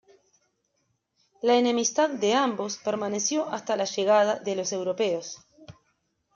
La enemistad de ambos permaneció hasta la llegada de los europeos.